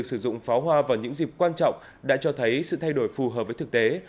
sử dụng pháo hoa vào những dịp quan trọng đã cho thấy sự thay đổi phù hợp với thực tế